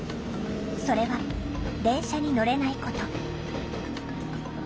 それは電車に乗れないこと。